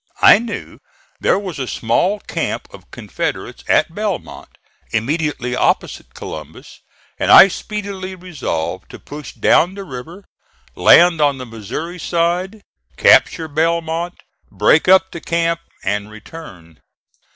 I knew there was a small camp of Confederates at Belmont, immediately opposite Columbus, and I speedily resolved to push down the river, land on the Missouri side, capture Belmont, break up the camp and return.